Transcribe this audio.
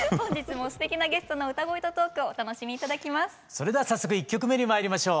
それでは早速１曲目にまいりましょう。